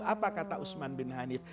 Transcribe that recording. apa kata usman bin hanif